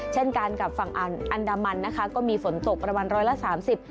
เช่นกันกับฝั่งอันดามันนะคะก็มีฝนตกประมาณร้อยละสามสิบ